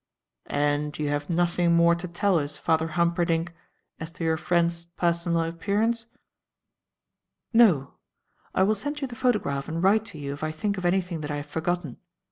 "And you have nothing more to tell us, Father Humperdinck, as to your friend's personal appearance?" "No. I will send you the photograph and write to you if I think of anything that I have forgotten.